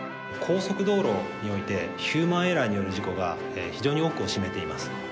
高速道路においてヒューマンエラーによる事故が非常に多くを占めています。